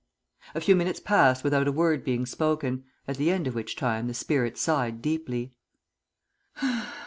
A few minutes passed without a word being spoken, at the end of which time the spirit sighed deeply.